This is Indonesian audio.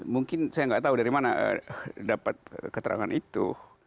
mungkin saya nggak tahu dari mana dapat keterangan itu